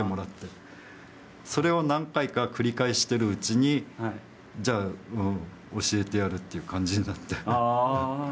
それを何回か繰り返してるうちにじゃあ教えてやるっていう感じになって。